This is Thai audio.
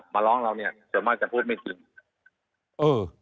มาร้องเราเนี่ยส่วนมากจะพูดไม่จริงเออ